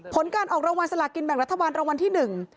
ผลการออกรางวัลสลากินแบ่งรัฐบาลรางวัลที่หนึ่ง